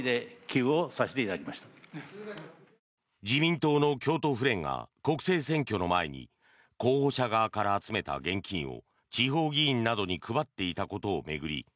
自民党の京都府連が国政選挙の前に候補者側から集めた現金を地方議員などに配っていたことを巡り